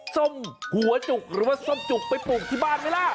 ส้มหัวจุกหรือว่าส้มจุกไปปลูกที่บ้านไหมล่ะ